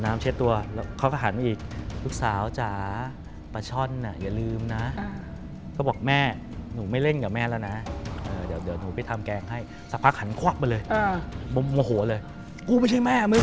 แม่หลงแล้วล่ะ